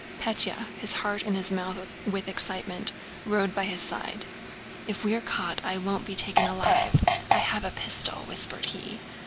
Pétya, his heart in his mouth with excitement, rode by his side. "If we're caught, I won't be taken alive! I have a pistol," whispered he.